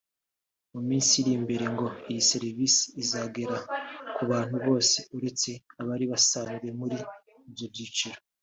mu minsi iri imbere ngo iyi serivisi izagera ku bantu bose uretse abari basanzwe muri ibyo byiciro